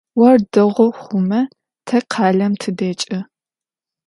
Ор дэгъу хъумэ, тэ къалэм тыдэкӏы.